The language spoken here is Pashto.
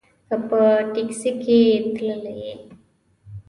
که په ټیکسي کې تللې.